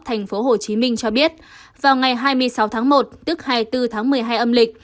tp hcm cho biết vào ngày hai mươi sáu tháng một tức hai mươi bốn tháng một mươi hai âm lịch